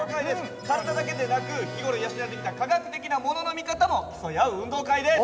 体だけでなく日頃養ってきた科学的なものの見方も競い合う運動会です！